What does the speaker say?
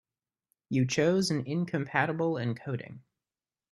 You chose an incompatible encoding.